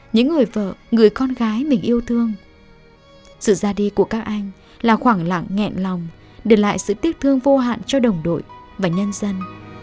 những người vợ người con gái mình yêu thương sự ra đi của các anh là khoảng lặng nghẹn lòng để lại sự tiếc thương vô hạn cho đồng đội và nhân dân